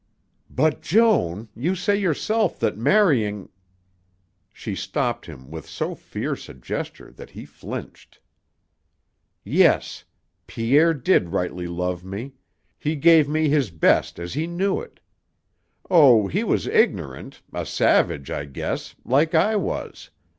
"But, Joan, you say yourself that marrying " She stopped him with so fierce a gesture that he flinched. "Yes. Pierre did rightly love me. He gave me his best as he knew it. Oh, he was ignorant, a savage, I guess, like I was.